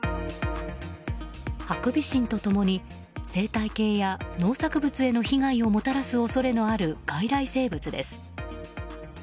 ハクビシンと共に生態系や農作物への被害をもたらす恐れのある外来生物です。